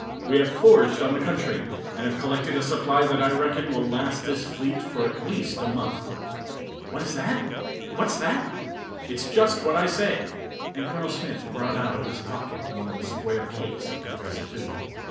We have foraged on the country, and have collected a supply that I reckon will last this fleet for at least a month." "What's that? What's that?" "It's just what I say," and Colonel Smith brought out of his pocket one of the square cakes of compressed food.